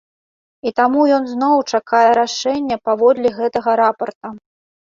І таму ён зноў чакае рашэння паводле гэтага рапарта.